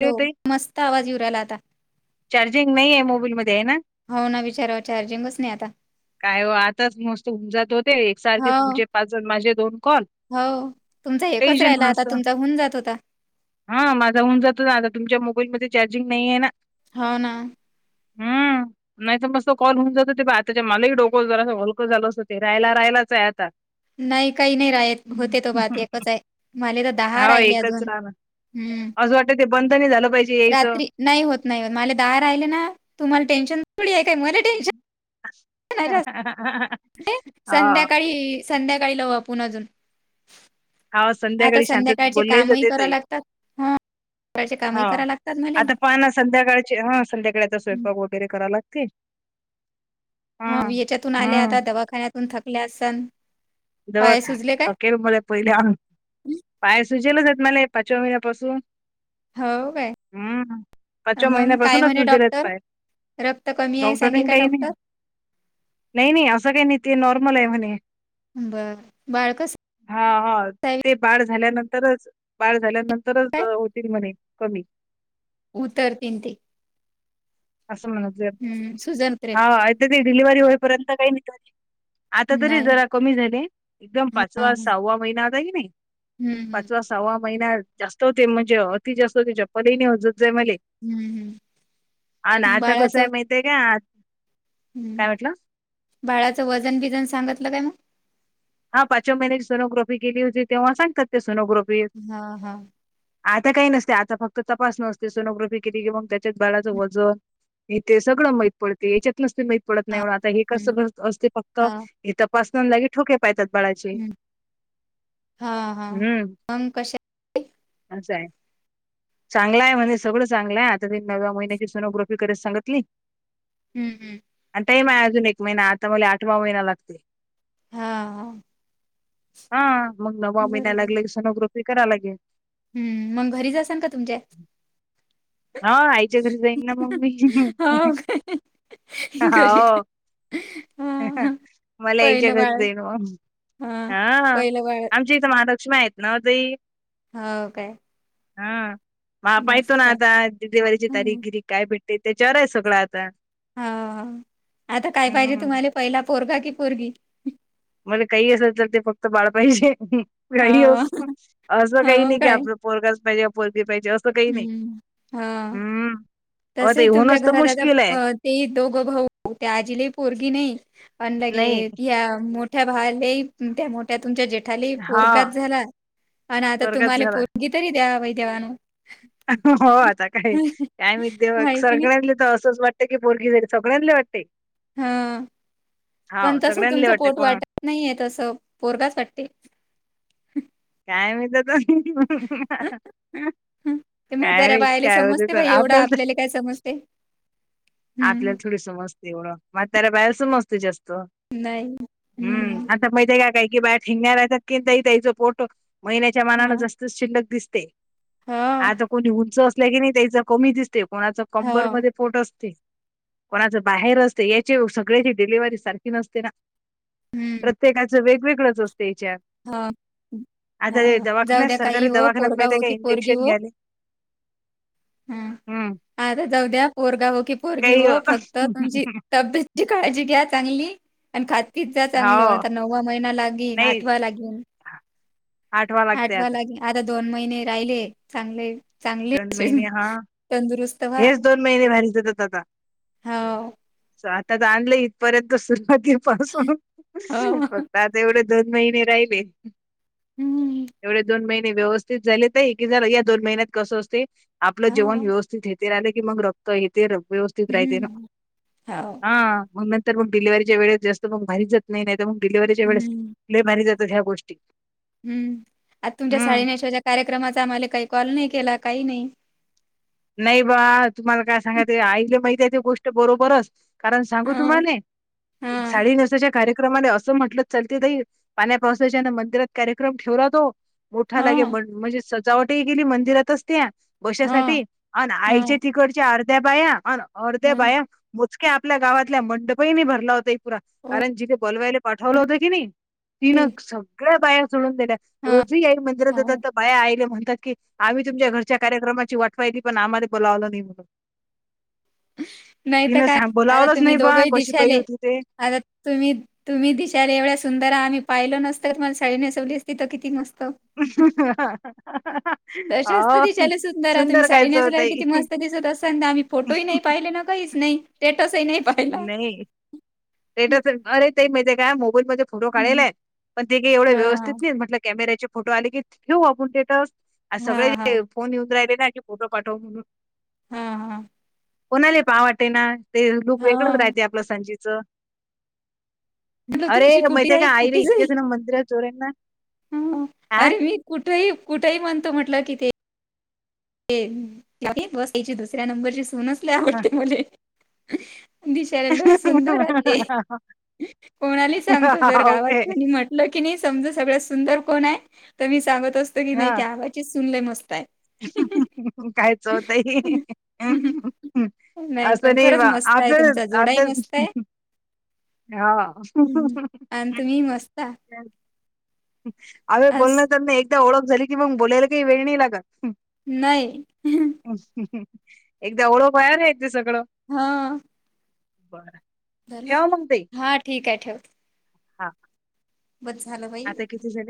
ते हो होते मस्त आवाज येवरायला आता. चार्जिंग नाहीे आहे मोबाईलमध्येध्ये आहे ना. हो ना विचारावं चार्जिंगच नाही आता काय हो आताच मस्त उुमजत होते एकसारखे तुमचे. आजूण माझे दोन कॉल. होव तुमचा एकच टेन्शन राहिला आता तुमचा होऊन जात होता. हा माझा होऊन जातो ना आता तुमच्या मोबाईल मध्ये चार्जिंग नाहीे ना. हो ना. हं. [inaudible] नाही तर मस्त कॉल होऊन जात ते बा आताच्या मालेहि डोको जरास हसलकं झाल असतं ते राहायला राहिलाच आहे आता. नाही काही नाही राह होते तो बात एकच आहे मले तर दहा हो राहिले एकच अजून. राहणार. हम्म. असं वाटतं ते बंद नाही झालं पाहिजे यायचं रात्री नाही होत नाही होत मला दहा राहिले ना तुम्हाला टेन्शन थोडी आहे काय मला टेन्शन हां, संध्याकाळी, संध्याकाळी लावु आपण अजून. हा आता संध्याकाळी शांततेत संध्याकाळचे बोलल्याही कामही जाते करा ताई. लागतात हा सकाळचे हो कामही करा लागतात मला आता पाना संध्याकाळचे हा... संध्याकाळीचा स्वयंपाक वगैरे करा लागते. ह हम्म याच्यातून आल्या हम्म आता दवाखान्यातून थकल्या असान. दवा [unintelligible] मला पहिले पाय सुजेलच आहेत मले पाचव्या महिन्यापासून. हो काय हम्म पाचव मग काय महिन्यापासूनच म्हणे सुजेल आहेत डॉक्टर पाय. रक्त कमी आहे सांगे डॉक्टरीन का काही नाही डॉक्टर? नाही नाही असं काही नाही ते नॉर्मल आहे म्हणे. बरं बाळ कस हा हा ते बाळ झाल्यानंतरच बाळ झाल्यानंतरच काय होतील म्हणे कमी. उतरतील ते. असं म्हणत हम्म सुजन उतरेल हा ती डिलिव्हरी होईपर्यंत काही नि आता तरी नाही जरा कमी झाले एकदम हा हा पाचवा, हम्म सहावा महिना होता की नाही. हम्म पाचवा, सहावा महिना जास्त होते म्हणजे अति जास्त होते चपल ही नाय होत जातजाय मले. हम्म हम्म. अ ना आत कस आहे बाळाचं माहिती आहे का हम्म काय म्हटलं बाळाचं वजन बिजन सांगितलं काय मग? हा पाचव्या महिन्यांची सोग्राफी केली होती तेव्हा सांगात ते सोनग्रफी हा हा. आता काही नसते आता फक्त तपास नसते सोनोग्राफी केली की मग त्याच्याच बालाचं वजन हे तेे सगळं माहीत पडते याच्यात नसते माहित. पडत हा नाहीण आता हे कस हम्म असते फक्त हा हे तपासण्यागी ठोके पातात बाळाची हम्म हा हा हम्म मग कशा असं आहे चांगला आहे म्हणजे सगळं चांगलं आहे आता त नव्या महिन्याची सोनोग्राफी करत सांगितली हम्म हम्म. आणि टाइम आहे अजून एक महिना आता मला आठवा महिना लागते. हा.. हा मग न वामनाय बरोबर लागले सनोग्रोपी कराव लागेल हम्म मग घरीचाल का तुमच्या हा आयच्या घरी जाईन ना मम्मी हो काय घरी काय होा हा हा मला यायच्या पहिलं घरीच बाळ आहेल हां, हा पहिलं बाळ आम थ महालक्ष्मी आहेत ना ते हो काय हा मपाई तो मस्त ना आहे. डिलिव्हीची हं, तारीखगिरी काय भेटते त्याच्यावर आहे सगळं आता ह आता काय पाहिजे हम्म तुम्हाला पहिला पोरगा की पोरगी म्हज काही असेल तर ते फक्त बाळ पाहिजे हो, काही असं काही हो नाही की काय? आपलं पोरगाच पाहिजे पोरगी पाहिजे असं काही नाही हम्म अ ते तसही तुमच्या होणच तर घरात मुश्किल आहे आता ते दोघं भाऊ ते आजीलाही पोरगी नाही अ नाही लगे्या मोठ्या भाले त्या्या मोठ्या तुमच्या जेठाली हा पोरगात झाला आणि आता स्वर्गात तुम्हाला झाला पोरगी तरी द्यावाही देवानं हो आता काय काय विद आहे की नाही? सरगण्यातले तर असंच वाट ी बोगीरी सगळ्यातले वाटते हा हा पण तसं सगळ्यांले तुमचं वाटते पोट पण वाटत नाहीये तसं पोरगच वाटते काय मत त हं ते म्हाताऱ्या काय बायाले काय समजते होत बाई एवढं आपल्याला काय समजते आपल्या हम्म. थोडी समजते एवढ मग त्याला बाहेर समजते जास्त्म नाही हम्म माय काही की बाहेर ठेंगणारात की नाही त्याचो पोटो महि्याच्या हा मनानंत शिल्लक दिसते हा आता कोणी उंच असल्या की नाही त्याच कमी दिसते कोणा हा कंबर ममध्ये ोट असते कोणाच बाहेर असते याची सगळ्याची डिलिव्ही सारखी नसते ना हम्म प्रत्येकाचं वेगवेगळंच असते याच्यात हा हा आता हे जाऊ दवाखान्यात द्या काही सरकारी हो दवाखान्यात पोरगा माहिती आहे हो का की पोरगी इंजेक्शन हो घ्यायले हा हम्म आता जाऊ द्या पोरगा हो कि पोरगी काही हो फक्त तुमची तब्येत ची काळजी घ्या चांगली आणि खातपीत जा चांगलं हो आता नववा महिना लागेल नाही आठवा लागेल आठवा लागतेय आता आता दोन महिने राहिले चांगले चांगले दोन महिने हा तंदुरुस्त व्हा हेच दोन महिने भारीेतात आता हो आता तर आणलं इथपर्यंत सुरुवाती पासून हो आता एवढे दोन महिने राहिले हम् एवढे दोन महिने व्यवस्थित झालेत आहे की जरा या दोन महिन्यात कसं असते आपलं जेवण हो व्यवस्थित येते राहिले की मग रक्त येते व्यवस्ित ्रये ना हं, हो. हा तर मग डिलिव्हरीच्या वेळेेत जास्त मग भारी जात नाही तर मग डिलव्हरीच्या वेळेस हं, लय भारी जातात ह्या गोष्टी हम्म आता तुमच्या हम्म. साडीनेस्वायच्या कार्यक्रमाचा आम्हाला काही कॉल नाही केला काही नाही नाही बा तुम्हाला काय सांगाय ते ऐले माहिती त गोष्ट बरोबरच कारण सांगू हां, तुम्हाले हां. साडी नेेसवायच्या कार्यक्रमाने असं म्हटलं चलते तई पाण्या पावसाच्या ना मंदिरात कार्यक्रम ठेवला तो मोठा लागे हो, बन म्हणजे सजावटही गेली मंदिरातच त्या हो, बशासाठी आन आईच्या हो, तिकडच्या अर्ध्या बाया आन अर्ध्या हो. बाया मोजक्या आपल्या गावातल्या मंडपईनी भरला होता पुरा कारण ओके. जिथे बोलवायला पाठवलं होतं की नाही तिनं सगळ्या बाया सोडून दिल्या हां, रोजी एक मंदिरात जातात हो. तर बाया आईल्या म्हणतात की आम्ही तुमच्या घरच्या कार्यक्रमाची वाट पाहीली पण आम्हाला बोलावलं नाही म्हणून नाही तर तिन काय, सांग आता बोलावलंच तुम्ही नाही बा दोघंही कशी बाई दिशाले होती ते आता तुम्ही तुम्ही दिशायला एवढ्या सुंदर आम्ही पाहिलो नसतं तुम्हाला साडी नेसवली असतं तर किती मस्त तशाच तर अं सुंदर कायचं होतंय तरी सुद्धा संध आम्ही फोटोही नाही पाहिले ना काहीच नाही टेटसही नाही पा नाही टेटस अरे ते माहिते काय मोबाईल म फोटो हं, काढलेलाय पण ते काही एवढं व्यवस्थित हां, नाही म्हटलं कॅमेऱ्याचे फोटो आले की ठेऊ आपण टेटस हां, हां. आसगळे फोन येवूून राहले ना फोटो पाठव म्हणून हा हा कोणाला पाहा वाटते ना ते लुक वेगळंच हा राहते आपलं संजीच म्हटलं अरे तुमची कुटी म्हायते जाई का आईला कुटी इतका जाई देना मंदिर चोरेतना ह अरे मी कुठेही कुठेही म्हणतो म्हटलं कि ते ते बस याची दुसऱ्या नंबरची सूनच लय आवडते मले दिशाला लय सुंदरह ते कोणाला सांगतो जर गावात ओके कोणी म्हट ल की नाही समजा सगळ्यात सुंदर कोण आहे तर मी सांगत असतो की नाही त्या आवाजी सुन लय मस्तय कायच होतंय नाही अस पण नाहीव खरंच मस्त आहे आपण तुमचा जोडाही आपण मस्त आहे हा हं. आणि तुम्ही मस्त आहात. अवे बोलण अस त्यांना एकदा ओळख झाली कि मग बोलायला काही वेळ नाही लागत नाही एकदा ओळख बायार आहे ते सगळं हा बरं बर ठेवा मग ताई हा ठीक आहे ठेव हा बज झालं बाई आता किती झाले?